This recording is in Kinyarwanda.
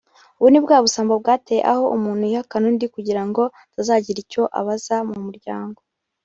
ubu ni bwa busambo bwateye aho umuntu yihakana undi kugira ngo atazagira icyo abaza mu muryango